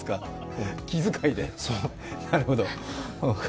気遣いで、なるほど。